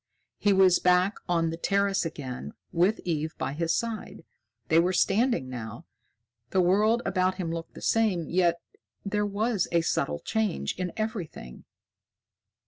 He was back on the terrace again, with Eve by his side. They were standing now. The world about him looked the same, yet there was a subtle change in everything.